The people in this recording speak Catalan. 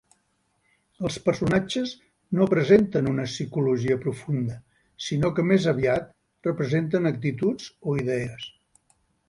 Els personatges no presenten una psicologia profunda, sinó que més aviat representen actituds o idees.